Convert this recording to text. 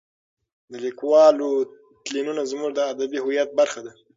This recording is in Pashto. د لیکوالو تلینونه زموږ د ادبي هویت برخه ده.